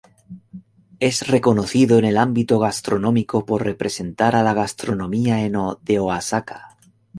Es reconocido en el ámbito gastronómico por representar a la gastronomía de Oaxaca.